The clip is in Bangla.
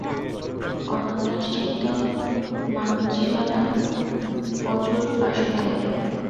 অনন্যাশ্চিন্তয়ন্তো মাং যে জনা পযুর্পাসতে।